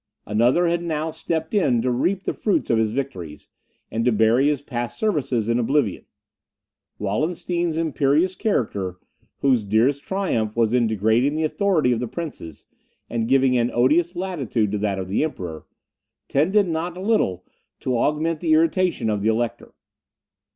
Another had now stepped in to reap the fruits of his victories, and to bury his past services in oblivion. Wallenstein's imperious character, whose dearest triumph was in degrading the authority of the princes, and giving an odious latitude to that of the Emperor, tended not a little to augment the irritation of the Elector.